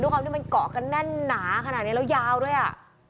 ความที่มันเกาะกันแน่นหนาขนาดนี้แล้วยาวด้วยอ่ะ